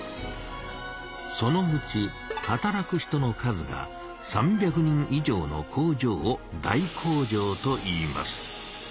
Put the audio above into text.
そのうち働く人の数が３００人以上の工場を「大工場」といいます。